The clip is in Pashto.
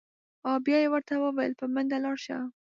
او بیا یې ورته ویل: په منډه لاړ شه.